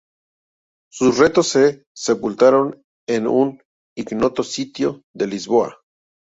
Sus restos se sepultaron en un ignoto sitio de Lisboa.